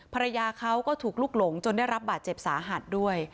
ภรรยาเขาก็ถูกลุกหลงจนได้รับบาดเจ็บสาหัสด้วย